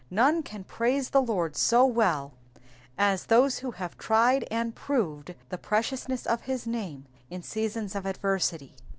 None can g raise the Lord so well as those who have tried and proved the preciousness of is name in seasons of adversity.